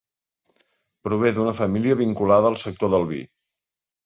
Prové d'una família vinculada al sector del vi.